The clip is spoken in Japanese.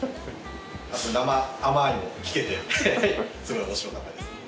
あと生「あまい！」も聞けてすごい面白かったです。